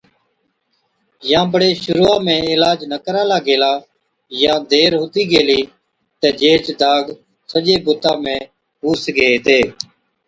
يان بڙي شرُوعا ۾ عِلاج نہ ڪرالا گيلا يان دير هُتِي گيلِي تہ جيهچ داگ سجي بُتا ۾ هُو سِگھي هِتي۔